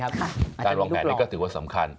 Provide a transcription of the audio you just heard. การวางแผนนี้ก็สมคัญ